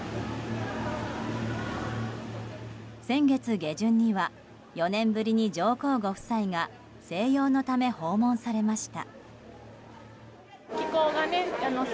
先月下旬には４年ぶりに上皇ご夫妻が静養のため、訪問されました。